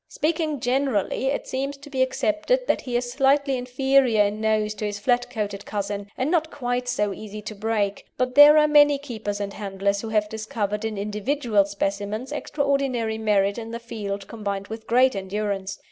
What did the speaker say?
Speaking generally, it seems to be accepted that he is slightly inferior in nose to his flat coated cousin, and not quite so easy to break, but there are many keepers and handlers who have discovered in individual specimens extraordinary merit in the field combined with great endurance.